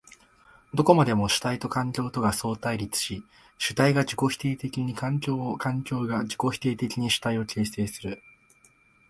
どこまでも主体と環境とが相対立し、主体が自己否定的に環境を、環境が自己否定的に主体を形成する。